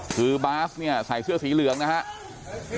คือบาสเนี่ยใส่เสื้อสีเหลืองนะครับ